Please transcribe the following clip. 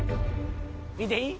見ていい？